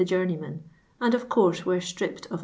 j"iirni'ynjen, and ot course wi re stripped ot